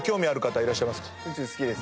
宇宙好きです。